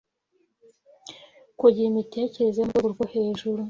kugira imitekerereze yo ku rwego rwo hejuru